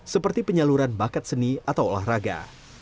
seperti penyaluran bakat seni atau olahraga